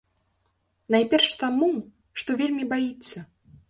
Найперш таму, што вельмі баіцца.